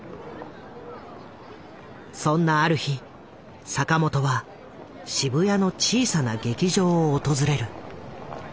そんなある日坂本は渋谷の小さな劇場を訪れる。